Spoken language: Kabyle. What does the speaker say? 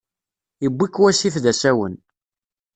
Iwwi-k wasif d asawen.